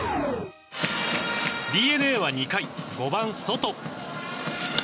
ＤｅＮＡは２回５番、ソト。